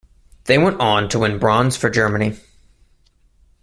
They went on to win Bronze for Germany.